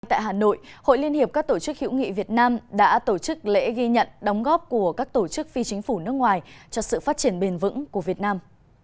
tại hà nội hội liên hiệp các tổ chức hữu nghị việt nam đã tổ chức lễ ghi nhận đóng góp của các tổ chức phi chính phủ nước ngoài cho sự phát triển bền vững của việt nam